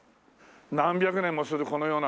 何百年もするこのような。